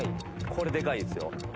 これでかいですよ。